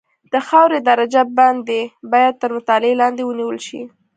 د خاورې درجه بندي باید تر مطالعې لاندې ونیول شي